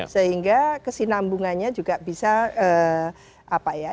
sehingga kesinambungannya juga bisa apa ya